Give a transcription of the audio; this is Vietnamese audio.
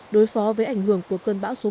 đối phó với ảnh hưởng của cơn bão số một